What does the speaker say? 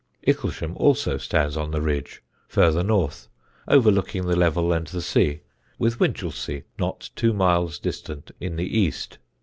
Icklesham also stands on the ridge further north, overlooking the Level and the sea, with Winchelsea not two miles distant in the east.